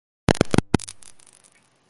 Quintero et al.